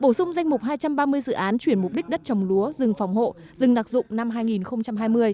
bổ sung danh mục hai trăm ba mươi dự án chuyển mục đích đất trồng lúa rừng phòng hộ rừng đặc dụng năm hai nghìn hai mươi